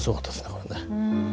これね。